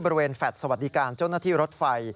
บริเวณแฟลต์สวัสดีการจนที่รถไฟ